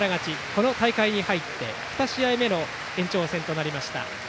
この大会に入って２試合目の延長戦となりました。